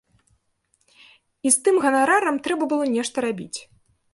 І з тым ганарарам трэба было нешта рабіць.